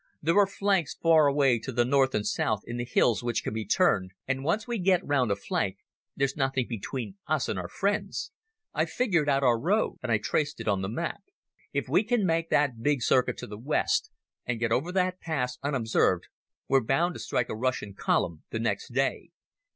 There are flanks far away to the north and south in the hills which can be turned, and once we get round a flank there's nothing between us and our friends ... I've figured out our road," and I traced it on the map. "If we can make that big circuit to the west and get over that pass unobserved we're bound to strike a Russian column the next day.